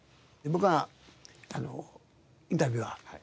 僕がインタビュアー。